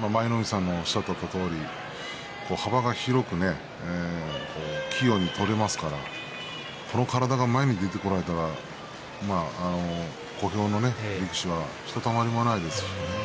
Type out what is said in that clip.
舞の海さんのおっしゃったとおり幅広く器用に取れますからこの体に前に出てこられたら小兵の力士はひとたまりもないですね。